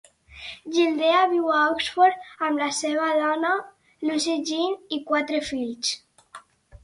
Gildea viu a Oxford amb la seva dona, Lucy-Jean, i quatre fills.